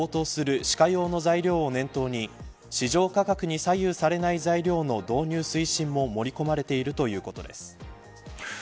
また、ウクライナ情勢で高騰する歯科用の材料を念頭に市場価格に左右されない材料の導入推進も盛り込まれているということです。